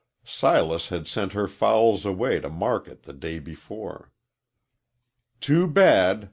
Silas had sent her fowls away to market the day before. "Too bad!"